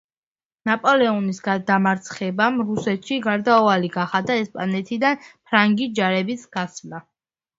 ნაპოლეონის დამარცხებამ რუსეთში გარდაუვალი გახადა ესპანეთიდან ფრანგი ჯარების გასვლა.